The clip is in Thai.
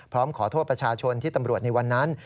พร้อมขอโทษประชาชนที่ตำรวจในวันนั้น